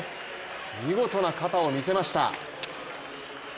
見事な肩を見せました。